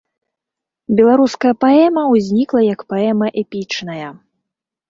Беларуская паэма ўзнікла як паэма эпічная.